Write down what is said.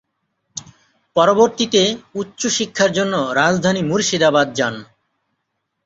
পরবর্তীতে উচ্চ শিক্ষার জন্য রাজধানী মুর্শিদাবাদ যান।